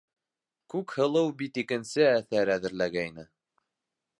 Күкһылыу бит икенсе әҫәр әҙерләгәйне!